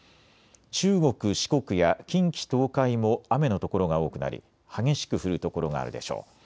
中国、四国や近畿、東海も雨の所が多くなり激しく降る所があるでしょう。